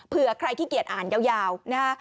เผื่อใครขี้เกียจอ่านยาว